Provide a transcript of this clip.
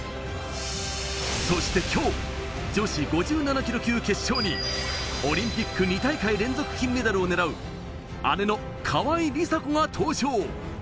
そして今日、女子５７ｋｇ級決勝にオリンピック２大会連続金メダルを狙う、姉の川井梨紗子が登場。